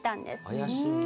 怪しいね。